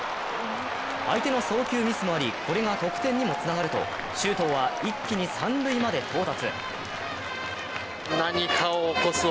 相手の送球ミスもあり、これが得点にもつながると周東は一気に三塁まで到達。